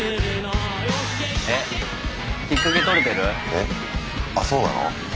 えっあっそうなの？